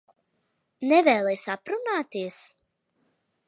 Nevēlies aprunāties?